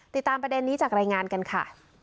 ติดตามประเด็นนี้จากรายงานกันค่ะ